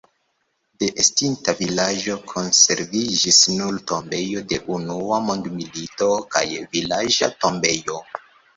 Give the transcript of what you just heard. De estinta vilaĝo konserviĝis nur tombejo de Unua mondmilito kaj vilaĝa tombejo.